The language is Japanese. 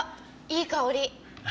いい香り。